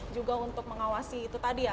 juga untuk mengawasi itu tadi ya